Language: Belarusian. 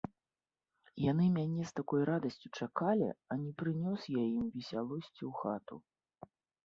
Яны мяне з такою радасцю чакалі, а не прынёс я ім весялосці ў хату.